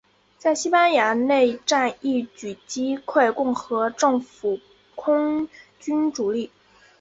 在西班牙内战一举击溃共和政府空军主力。